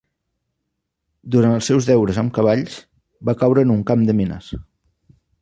Durant els seus deures amb cavalls, va caure en un camp de mines.